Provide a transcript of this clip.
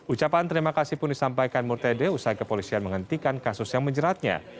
ucapan terima kasih pun disampaikan murtede usai kepolisian menghentikan kasus yang menjeratnya